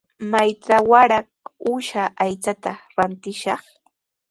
¿Maytrawraq uusha aychata rantishwan?